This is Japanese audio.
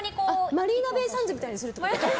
マリーナベイサンズみたいにするってことね。